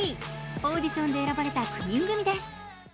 オーディションで選ばれた９人組です。